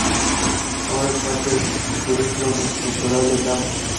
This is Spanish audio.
Ahora es parte de la circunscripción electoral de Camp.